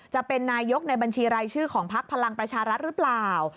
จะเป็นนายกในบัญชีรายชื่อของพักพลังประชารัฐหรือเปล่า